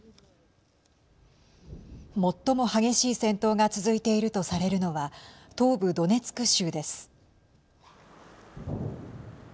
最も激しい戦闘が続いているとされるのは東部ドネツク州です。